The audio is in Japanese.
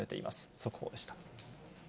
速報でした。